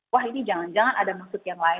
wah ini jangan jangan ada maksud yang lain